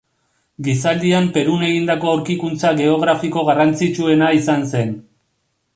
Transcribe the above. Gizaldian Perun egindako aurkikuntza geografiko garrantzitsuena izan zen.